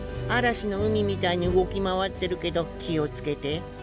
嵐の海みたいに動き回ってるけど気を付けて。